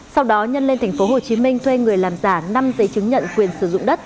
sau đó nhân lên tp hcm thuê người làm giả năm giấy chứng nhận quyền sử dụng đất